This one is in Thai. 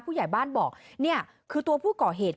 ผู้ใหญ่บ้านบอกเนี่ยคือตัวผู้ก่อเหตุ